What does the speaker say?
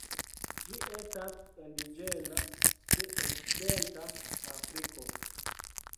Ĝi estas indiĝena de Okcidenta Afriko.